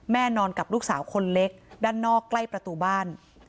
นอนกับลูกสาวคนเล็กด้านนอกใกล้ประตูบ้าน